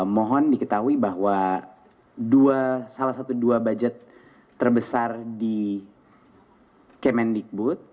mohon diketahui bahwa salah satu dua budget terbesar di kemendikbud